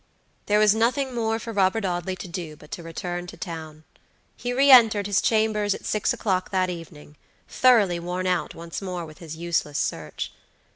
There was nothing more for Robert Audley to do but to return to town. He re entered his chambers at six o'clock that evening, thoroughly worn out once more with his useless search.